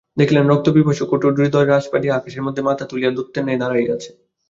দেখিলেন রক্তপিপাসু কঠোরহৃদয় রাজবাটী আকাশের মধ্যে মাথা তুলিয়া দৈত্যের ন্যায় দাঁড়াইয়া আছে।